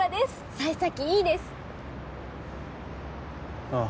さい先いいですああ